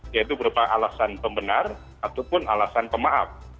yaitu berupa alasan pembenar ataupun alasan pemaaf